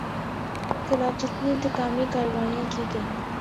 خلاف جتنی انتقامی کارروائیاں کی گئیں